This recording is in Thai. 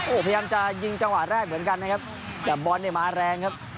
โอ้โหพยายามจะยิงจังหวะแรกเหมือนกันนะครับแต่บอลเนี่ยมาแรงครับ